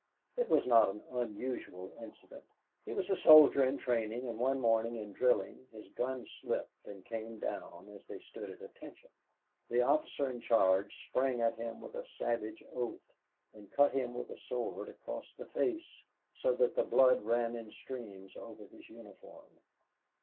It was not an unusual incident. He was a soldier in training, and one morning in drilling his gun slipped and came down as they stood at "Attention." The officer in charge sprang at him with a savage oath and cut him with his sword across the face so that the blood ran in streams over his uniform.